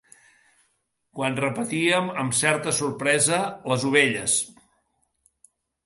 Quan repetíem, amb certa sorpresa, "Les ovelles?"